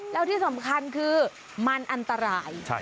แล้วที่สำคัญคือมันอันตราย